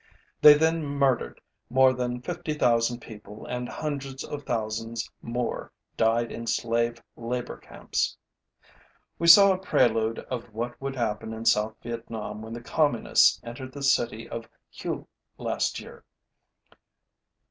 They then murdered more than 50,000 people and hundreds of thousands more died in slave labor camps. We saw a prelude of what would happen in South Vietnam when the Communists entered the city of Hue last year.